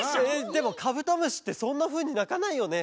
でもカブトムシってそんなふうになかないよね。